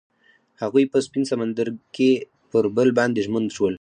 هغوی په سپین سمندر کې پر بل باندې ژمن شول.